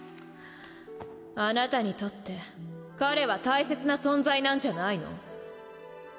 あなたにとって彼は大切な存在なんじゃないの？